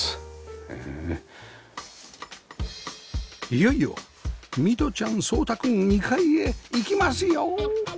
いよいよ弥杜ちゃん奏詠くん２階へ行きますよ